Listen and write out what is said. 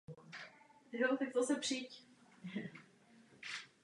Po druhé světové válce poutní areál dál postupně chátral.